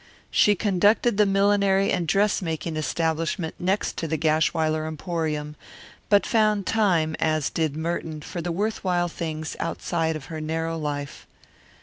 She conducted the millinery and dressmaking establishment next to the Gashwiler Emporium, but found time, as did Merton, for the worthwhile things outside her narrow life.